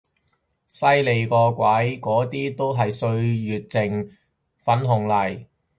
犀利個鬼，嗰啲都係歲靜粉紅嚟嘅